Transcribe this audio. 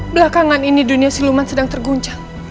belakangan ini dunia siluman sedang terguncang